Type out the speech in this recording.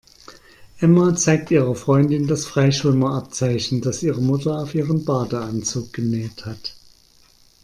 Emma zeigt ihrer Freundin das Freischwimmer-Abzeichen, das ihre Mutter auf ihren Badeanzug genäht hat.